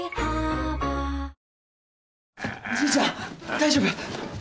大丈夫！？